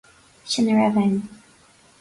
Sin a raibh ann.